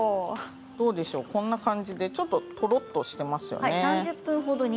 どうでしょうこんな感じで、ちょっととろっとしてますよね。